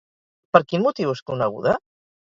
Per quin motiu és coneguda?